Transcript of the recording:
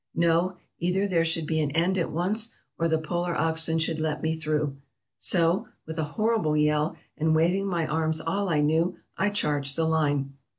No, either there should be an end at once, or the polar oxen should let me through; so, with a horrible yell, and waving my arms all I knew, I charged the line.